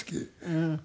うん。